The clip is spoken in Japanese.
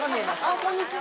こんにちは！